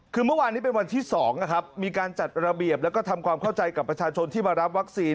คือเมื่อวานนี้เป็นวันที่๒นะครับมีการจัดระเบียบแล้วก็ทำความเข้าใจกับประชาชนที่มารับวัคซีน